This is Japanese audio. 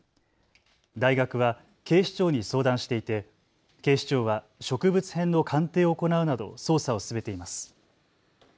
大学は警視庁に相談していて警視庁は植物片の鑑定を行うなど捜査を進めています。